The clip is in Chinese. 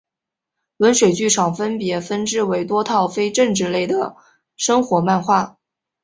温水剧场分别分支为多套非政治类的生活漫画